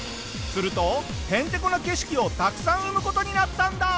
するとヘンテコな景色をたくさん生む事になったんだ。